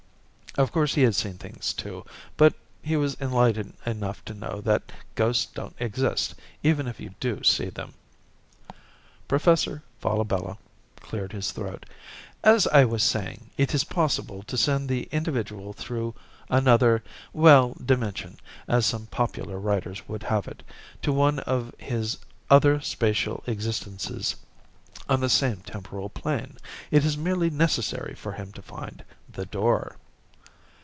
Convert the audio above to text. Of course he had seen things too but he was enlightened enough to know that ghosts don't exist, even if you do see them. Professor Falabella cleared his throat. "As I was saying, it is possible to send the individual through another well, dimension, as some popular writers would have it, to one of his other spatial existences on the same temporal plane. It is merely necessary for him to find the Door."